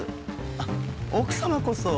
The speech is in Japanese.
あっ奥様こそ。